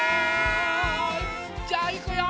じゃあいくよ。